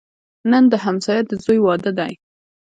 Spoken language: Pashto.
نن د همسایه د زوی واده دی